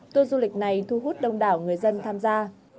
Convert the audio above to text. tour du lịch này thu hút đông đảo người dân tham gia